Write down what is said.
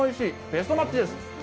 ベストマッチです。